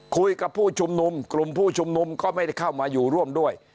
ผู้ชุมนุมกลุ่มผู้ชุมนุมก็ไม่ได้เข้ามาอยู่ร่วมด้วย